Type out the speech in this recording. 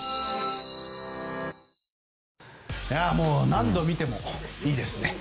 何度見てもいいですね。